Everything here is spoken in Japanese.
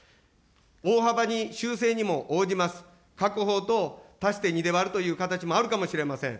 大幅に修正にも応じます、閣法と足して２で割るという形があるかもしれません。